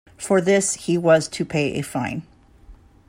For this he was to pay a fine.